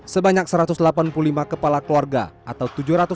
sebanyak satu ratus delapan puluh lima kepala keluarga atau